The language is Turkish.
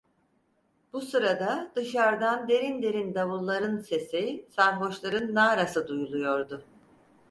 Bu sırada dışardan derin derin davulların sesi, sarhoşların narası duyuluyordu.